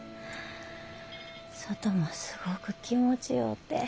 外もすごく気持ちようて。